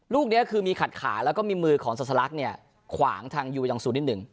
ลูกนี้คือมีขัดขาแล้วก็มีมือของสัสลักเนี่ยขวางทางยูยองซูนิดหนึ่ง